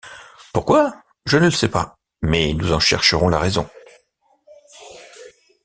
Pourquoi ? je ne le sais pas ; mais nous en chercherons la raison.